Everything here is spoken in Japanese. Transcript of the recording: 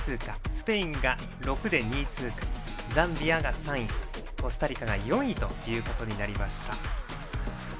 スペインが６で２位通過ザンビアが３位コスタリカが４位ということになりました。